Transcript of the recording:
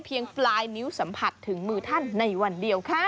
ปลายนิ้วสัมผัสถึงมือท่านในวันเดียวค่ะ